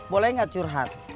boleh gak curhat